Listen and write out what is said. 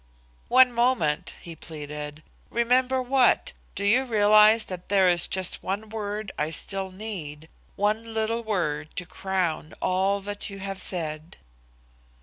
"One moment," he pleaded. "Remember what? Don't you realise that there is just one word I still need, one little word to crown all that you have said?"